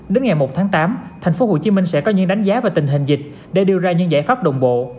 đến ngày một tháng tám tp hcm sẽ có những đánh giá về tình hình dịch để đưa ra những giải pháp đồng bộ